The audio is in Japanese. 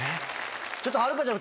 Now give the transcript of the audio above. ちょっとはるかちゃん。